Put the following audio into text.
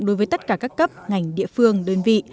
đối với tất cả các cấp ngành địa phương đơn vị